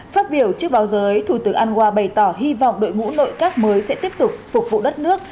phát biểu trước báo giới thủ tướng anwa bày tỏ hy vọng đội ngũ nội các mới sẽ tiếp tục phục vụ đất nước